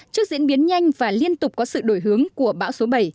trước diễn biến nhanh và liên tục có sự đổi hướng của bão số bảy